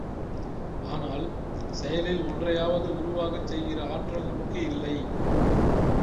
ஆனால், செயலில் ஒன்றையாவது உருவாகச் செய்கிற ஆற்றல் நமக்கு இல்லை.